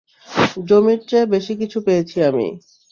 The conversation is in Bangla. জমির চেয়ে বেশি কিছু পেয়েছি আমি।